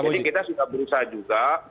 jadi kita sudah berusaha juga